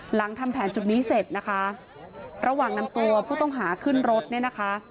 หลังทำแผนจุดนี้เสร็จนะคะระหว่างนำตัวผู้ต้องหาขึ้นรถเนี่ยนะคะ